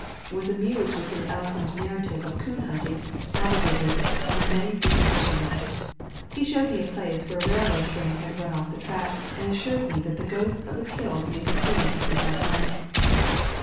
Was amused with his eloquent narrative of coon hunting, alligators, and many super stitions. He showed me a place where a rail road train had run off the track, and assured me that the ghosts of the killed may be seen every dark night.